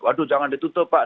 waduh jangan ditutup pak